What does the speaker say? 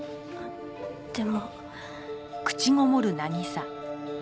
でも。